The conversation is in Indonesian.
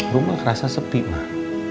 rumah kerasa sepi mah